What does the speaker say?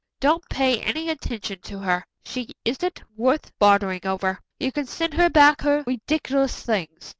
"Don't pay any attention to her. She isn't worth bothering over. You can send her back her ridiculous things.